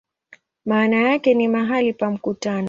Maana yake ni "mahali pa mkutano".